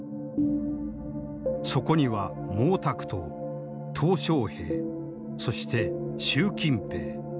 そこには毛沢東小平そして習近平。